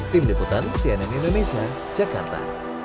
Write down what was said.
tim liputan cnn indonesia jakarta